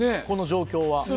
この状況は。